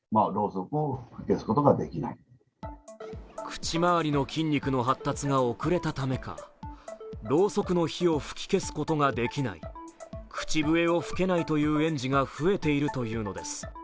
口周りの筋肉の発達が遅れたためかろうそくの火を吹き消すことができない口笛を吹けないという園児が増えているというのです。